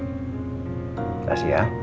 terima kasih ya